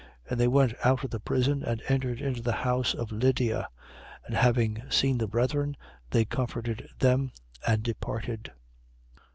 16:40. And they went out of the prison and entered into the house of Lydia: and having seen the brethren, they comforted them and departed.